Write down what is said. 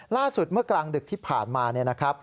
ล่าสุดเมื่อกลางดึกที่ผ่านมา